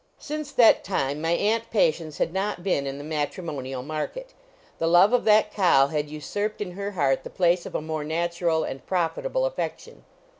Since that time my Aunt Patience had not been in the matrimonial market; the love of that cow had usurped in her heart the place of a more natural and profitable affection.